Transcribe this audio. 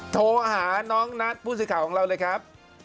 โทรหาน้องนัทผู้สื่อข่าวของเราเลยครับ